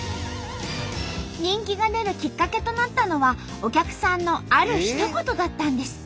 人気が出るきっかけとなったのはお客さんのあるひと言だったんです。